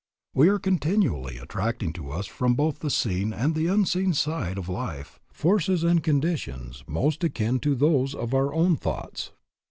We are continually attracting to us from both the seen and the unseen side of life, forces and conditions most akin to those of our own thoughts.